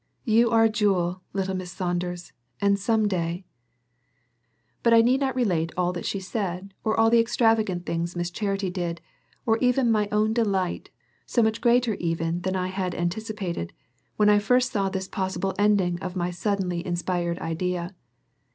"You are a jewel, little Miss Saunders, and some day " But I need not relate all that she said or all the extravagant things Miss Charity did, or even my own delight, so much greater even than any I had anticipated, when I first saw this possible ending of my suddenly inspired idea.